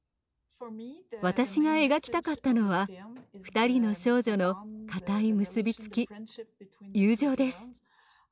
私が描きたかったのは二人の少女の固い結び付き友情です。